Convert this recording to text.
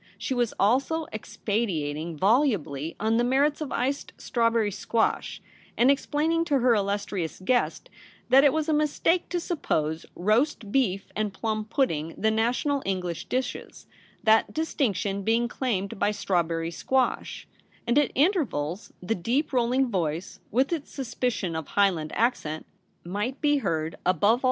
She was also expatiating volubly on the merits of iced strawberry squash, and explaining to her illustrious guest that it was a mistake to suppose roast beef and plum pudding the national English dishes, that distinction being claimed by strawberry squash ; and at intervals the deep rolling voice, with its suspicion of Highland accent, might be heard above all MARY'S RECEPTION.